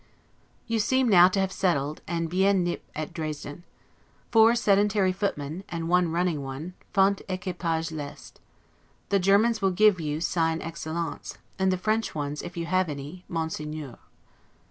You seem now to have settled, and 'bien nippe' at Dresden. Four sedentary footmen, and one running one, 'font equipage leste'. The German ones will give you, 'seine Excellentz'; and the French ones, if you have any, Monseigneur.